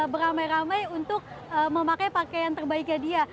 beramai ramai untuk memakai pakaian terbaiknya dia